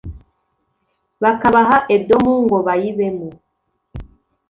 bakabaha Edomu ngo bayibemo